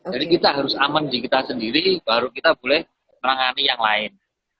jadi kita harus aman di kita sendiri baru kita boleh melanggani yang lain